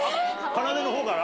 かなでの方から？